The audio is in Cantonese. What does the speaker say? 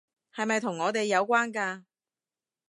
係咪同我哋有關㗎？